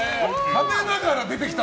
食べながら出てきた。